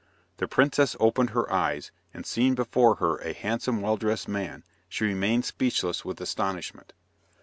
The princess opened her eyes, and seeing before her a handsome well dressed man, she remained speechless with astonishment.